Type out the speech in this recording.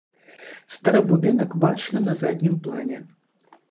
Стары будынак бачны на заднім плане.